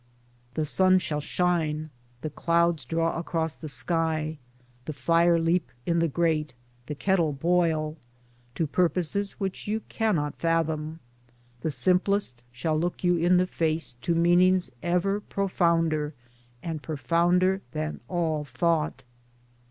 The sun shall shine, the clouds draw across the sky, the fire leap in the grate, the kettle boil — to purposes which you cannot fathom; the simplest shall look you in the Towards Democracy 67 face to meanings ever profounder and profounder than all Thought.